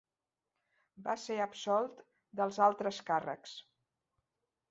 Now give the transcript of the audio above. Va ser absolt dels altres càrrecs.